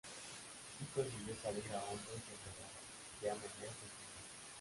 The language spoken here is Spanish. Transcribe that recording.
Sí consiguió salir a hombros en Granada, ya en el mes de junio.